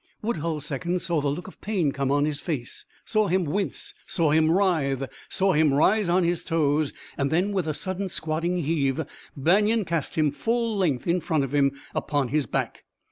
Woodhull's seconds saw the look of pain come on his face, saw him wince, saw him writhe, saw him rise on his toes. Then, with a sudden squatting heave, Banion cast him full length in front of him, upon his back!